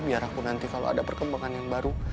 biar aku nanti kalau ada perkembangan yang baru